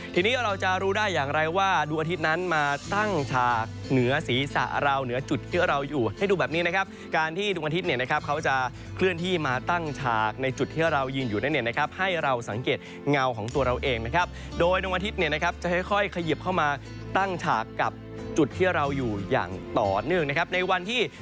ทีนี้เราจะรู้ได้อย่างไรว่าดวงอาทิตย์นั้นมาตั้งฉากเหนือศีรษะเราเหนือจุดที่เราอยู่ให้ดูแบบนี้นะครับการที่ดวงอาทิตย์เนี่ยนะครับเขาจะเคลื่อนที่มาตั้งฉากในจุดที่เรายืนอยู่นั่นเนี่ยนะครับให้เราสังเกตเงาของตัวเราเองนะครับโดยดวงอาทิตย์เนี่ยนะครับจะค่อยขยิบเข้ามาตั้งฉากกับจุดที่เราอยู่อย่างต่อเนื่องนะครับในวันที่